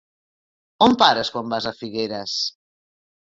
On pares quan vas a Figueres?